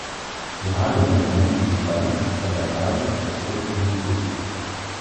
Die Haarlänge nimmt am Schwanz von der Basis zur Spitze hin zu.